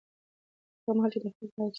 هغه مهال چې اخلاق مراعت شي، اړیکې ټینګېږي.